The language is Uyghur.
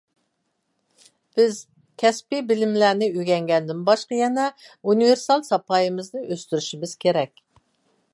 بىز كەسپىي بىلىملەرنى ئۆگەنگەندىن باشقا يەنە ئۇنىۋېرسال ساپايىمىزنى ئۆستۈرۈشىمىز كېرەك.